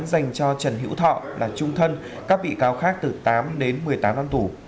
dành cho trần hữu thọ là trung thân các bị cáo khác từ tám đến một mươi tám năm tù